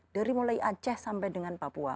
dari mulai aceh sampai dengan papua